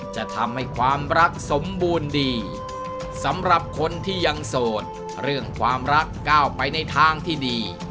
จะทำให้ความรักสมบูรณ์ดีสำหรับคนที่ยังโสดเรื่องความรักก้าวไปในทางที่ดี